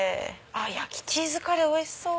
焼きチーズカレーおいしそう！